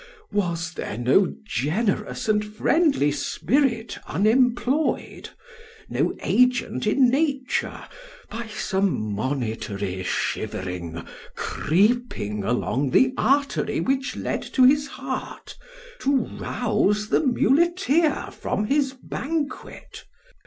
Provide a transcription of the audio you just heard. was there no generous and friendly spirit unemployed——no agent in nature, by some monitory shivering, creeping along the artery which led to his heart, to rouse the muleteer from his banquet?